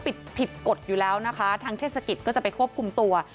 ผิดผิดกฎอยู่แล้วนะคะทางเทศกิจก็จะไปควบคุมตัว